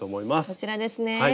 こちらですね。